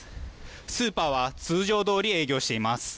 スーパーは通常どおり営業しています。